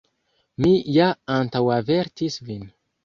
Mi ja antaŭavertis vin